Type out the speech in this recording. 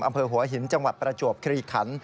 อำเภอหัวหินจังหวัดประจวบคลีขัน